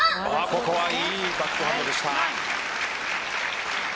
ここはいいバックハンドでした。